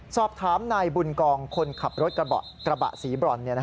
สอบถามนายบุญกองคนขับรถกระบะสีบรอน